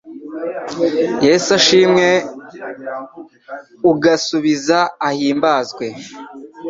Yesu ashimwe ugasubiza Ahimbazwe